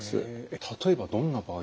例えばどんな場合ですか？